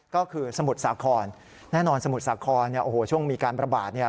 ก็คือสมุทรสาครแน่นอนสมุทรสาครเนี่ยโอ้โหช่วงมีการประบาดเนี่ย